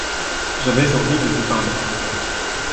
j'avais envie de vous parler.